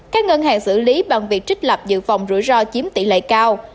các ngân hàng xử lý bằng việc trích lập dự phòng rủi ro chiếm tỷ lệ cao